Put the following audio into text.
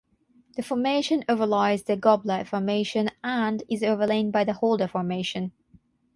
The formation overlies the Gobbler Formation and is overlain by the Holder Formation.